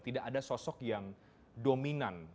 tidak ada sosok yang dominan